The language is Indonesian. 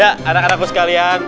ya anak anakku sekalian